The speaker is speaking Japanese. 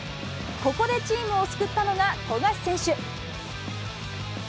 ここでチームを救ったのが富樫選手。